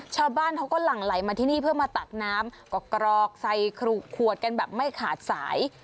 ชาวบ้านเขาก็หลั่งไหลมาที่นี่เพื่อมาตักน้ำก็กรอกใส่ขวดกันแบบไม่ขาดสาย